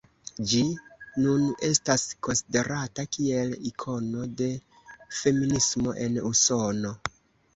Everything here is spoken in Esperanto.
Ĝi nun estas konsiderata kiel ikono de feminismo en Usono.